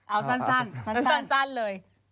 เอาสั้นเลย